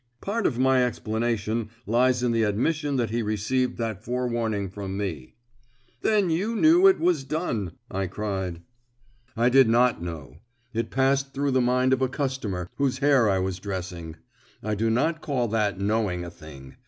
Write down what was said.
"Part of my explanation lies in the admission that he received that forewarning from me." "Then you knew it was done," I cried. "I did not know it. It passed through the mind of a customer whose hair I was dressing. I do not call that knowing a thing.